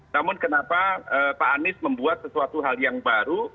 namun kenapa pak anies membuat sesuatu hal yang baru